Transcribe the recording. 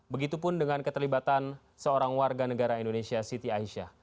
begitupun dengan keterlibatan seorang warga negara indonesia siti aisyah